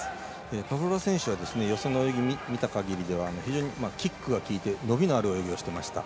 パブロワ選手は予選を見た限りでは非常にキックがきいて伸びのある泳ぎをしていました。